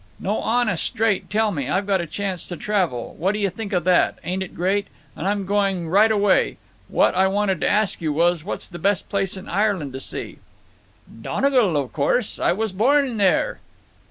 "No, honest, straight, tell me. I've got a chance to travel. What d'yuh think of that? Ain't it great! And I'm going right away. What I wanted to ask you was, what's the best place in Ireland to see?" "Donegal, o' course. I was born there."